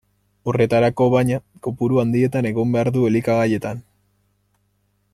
Horretarako, baina, kopuru handietan egon behar du elikagaietan.